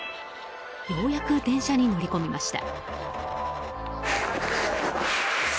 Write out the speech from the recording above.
ようやく電車に乗り込みました。